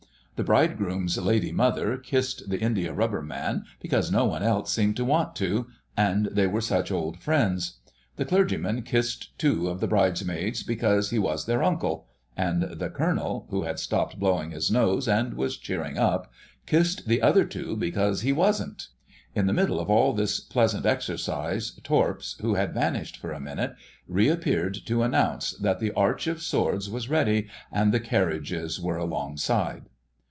The Bridegroom's Lady Mother kissed the Indiarubber Man because no one else seemed to want to, and they were such old friends. The Clergyman kissed two of the Bridesmaids because he was their uncle, and the Colonel (who had stopped blowing his nose and was cheering up) kissed the other two because he wasn't. In the middle of all this pleasant exercise Torps, who had vanished for a minute, reappeared to announce that the Arch of Swords was ready and the carriages were alongside.